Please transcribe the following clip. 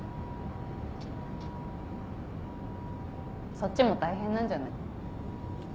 そっちも大変なんじゃない？